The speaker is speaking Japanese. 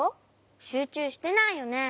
しゅうちゅうしてないよね？